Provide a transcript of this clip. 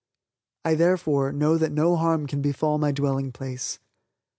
I, therefore, know that no harm can befall my dwelling place.